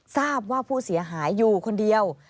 ทราบว่าผู้เสียหายอยู่คนเดียว